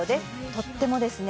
とってもですね